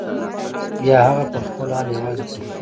یا هغه په خپل حال یوازې پرېږدو.